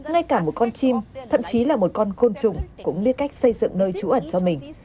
ngay cả một con chim thậm chí là một con côn trùng cũng biết cách xây dựng nơi trú ẩn cho mình